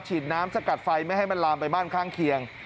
ฉีดน้ำสกัดไฟไม่ให้มันลามไปบ้านข้างเคียง